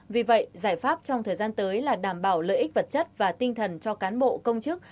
vì vậy giải pháp trong thời gian tới là đảm bảo lợi ích vật chất và tinh thần cho cán bộ công chức